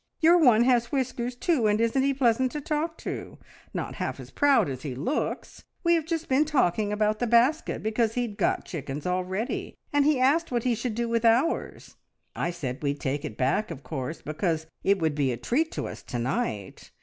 Your one has whiskers, too, and isn't he pleasant to talk to? Not half as proud as he looks. We have just been talking about the basket, because he'd got chickens already, and he asked what he should do with ours. I said we'd take it back, of course, because it would be a treat to us to night.